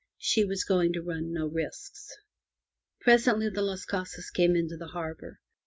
She was going to run no risks. Presently the Las Casas came into the harbour.